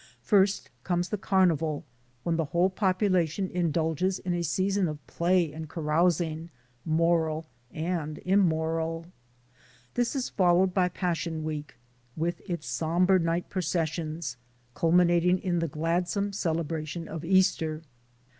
First comes the Carnival, when the whole population in dulges in a season of play and carousing, moral and immoral. This is followed by Passion Week, with its somber night processions, culminating in the gladsome celebration of Easter.